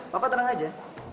papa tenang aja